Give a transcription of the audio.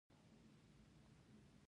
حسینو په ځان کلک دی.